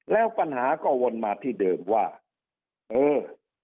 แล้วปัญหาก็วนมาที่เดิมว่าเออ